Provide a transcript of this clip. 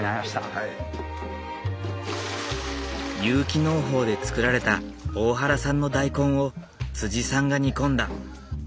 有機農法で作られた大原産の大根をさんが煮込んだ。